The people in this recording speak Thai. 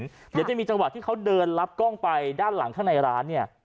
เดี๋ยวจะมีจังหวะที่เขาเดินรับกล้องไปด้านหลังข้างในร้านเนี่ย